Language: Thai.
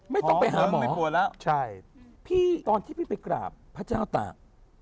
ไม่ต้องไปหาหมอใช่พี่ตอนที่พี่ไปกราบพระเจ้าต่าง